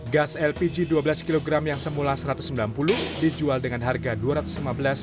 gas lpg dua belas kg yang semula rp satu ratus sembilan puluh dijual dengan harga rp dua ratus lima belas